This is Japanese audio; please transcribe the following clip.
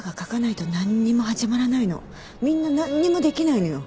みんな何にもできないのよ。